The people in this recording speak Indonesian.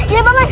iya pak man